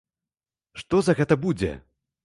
Што за гэта будзе?